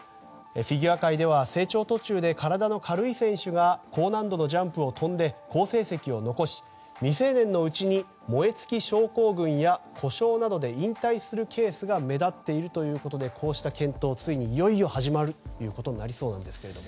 フィギュア界では成長途中で体の軽い選手が高難度のジャンプを跳んで好成績を残し未成年のうちに燃え尽き症候群や故障などで引退するケースが目立っているということでこうした検討がついに、いよいよ始まるということになりそうです。